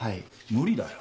無理だよ。